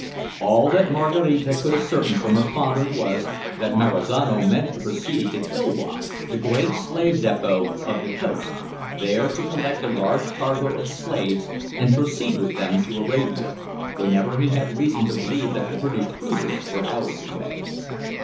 All that Maraquita could ascertain from her father was, that Marizano meant to proceed to Kilwa, the great slave depot of the coast, there to collect a large cargo of slaves and proceed with them to Arabia, whenever he had reason to believe that the British cruisers were out of the way.